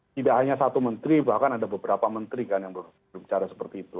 tidak hanya satu menteri bahkan ada beberapa menteri kan yang berbicara seperti itu